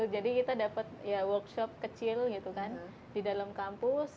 jadi kita dapat workshop kecil di dalam kampus